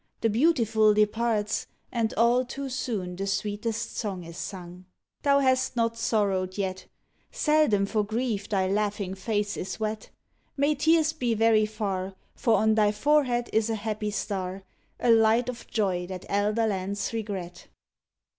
The beautiful departs, And all too soon the sweetest song is sung. CALIFORNIA Thou hast not sorrowed yet; Seldom for grief thy laughing face is wet. May tears be very far, For on thy forehead is a happy star, A light of joy that elder lands regret.